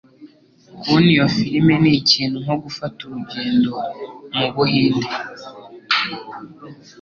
Kubona iyo firime nikintu nko gufata urugendo mubuhinde.